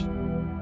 aku tidak tahu